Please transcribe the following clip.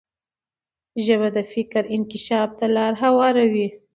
ژبه د فکر انکشاف ته لار هواروي.